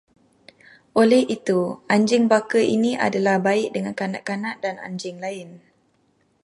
Oleh itu, anjing baka ini adalah baik dengan kanak-kanak dan anjing lain